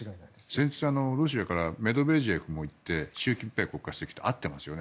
先日、ロシアからメドベージェフも行って習近平国家主席と会ってますよね。